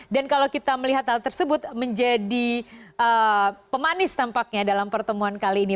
dan kalau kita melihat hal tersebut menjadi pemanis tampaknya dalam pertemuan kali ini